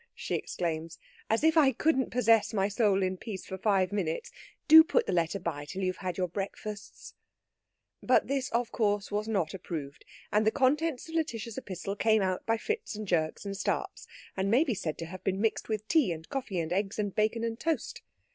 she exclaims. "As if I couldn't possess my soul in peace for five minutes! Do put the letter by till you've had your breakfasts." But this course was not approved, and the contents of Lætitia's epistle came out by fits and jerks and starts, and may be said to have been mixed with tea and coffee and eggs and bacon and toast.